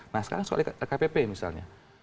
nah sekarang soal kpp misalnya